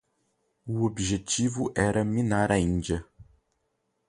O objetivo era minar a Índia